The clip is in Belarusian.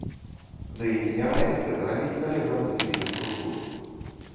Дый не раяць гэта рабіць калегам з іншых структур.